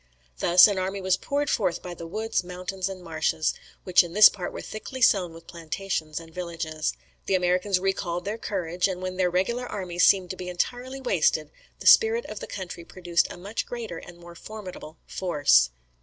Thus an army was poured forth by the woods, mountains, and marshes, which in this part were thickly sown with plantations and villages. The Americans recalled their courage; and when their regular army seemed to be entirely wasted, the spirit of the country produced a much greater and more formidable force."